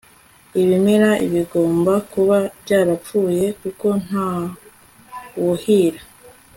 ibimera bigomba kuba byarapfuye kuko ntawuhira